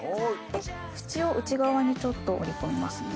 縁を内側にちょっと折り込みますね。